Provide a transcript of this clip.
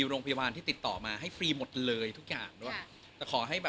แล้วภายในปีนี้อะไรนะ